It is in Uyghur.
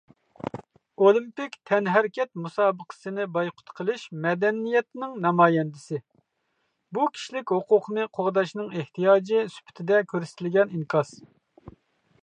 ئولىمپىك تەنھەرىكەت مۇسابىقىسىنى بايقۇت قىلىش مەدەنىيەتنىڭ نامايەندىسى، بۇ كىشىلىك ھوقۇقنى قوغداشنىڭ ئېھتىياجى سۈپىتىدە كۆرسىتىلگەن ئىنكاس.